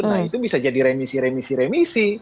nah itu bisa jadi remisi remisi remisi